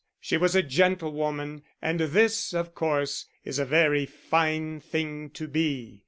She was a gentlewoman, and this, of course, is a very fine thing to be.